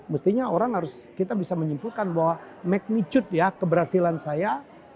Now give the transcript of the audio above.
mestinya orang harus kita bisa menyimpulkan bahwa magnitude ya keberhasilan saya